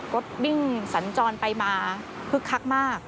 รถวิ่งสัญจรไปมาคึกคักมาก